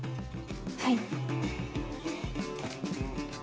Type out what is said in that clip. はい。